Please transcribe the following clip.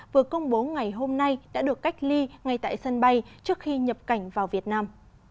vừa công bố ngày hôm nay đã được cách ly ngay tại sân bay trước khi nhập cảnh vào việt nam